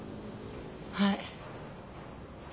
はい。